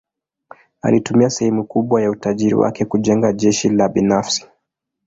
Alitumia sehemu kubwa ya utajiri wake kujenga jeshi la binafsi.